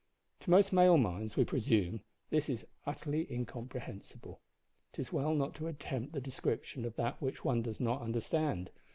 To most male minds, we presume, this is utterly incomprehensible. It is well not to attempt the description of that which one does not understand.